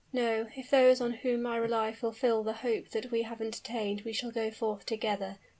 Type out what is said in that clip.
"No, if those on whom I rely fulfill the hope that we have entertained we shall go forth together.